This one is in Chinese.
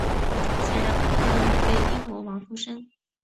显然泡泡糖已被阴魔王附身。